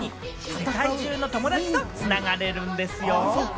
世界中の友達と繋がれるんですよ。